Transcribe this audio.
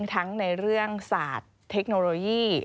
ทั้งในเรื่องศาสตร์เทคโนโลยี